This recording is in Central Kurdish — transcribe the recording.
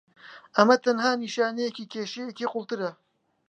ئەمە تەنیا نیشانەیەکی کێشەیەکی قوڵترە.